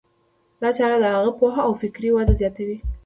دا چاره د هغه پوهه او فکري وده زیاتوي.